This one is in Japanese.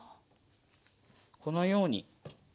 このように。